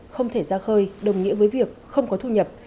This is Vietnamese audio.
không thể ra khơi đồng nghĩa với việc không có thu nhập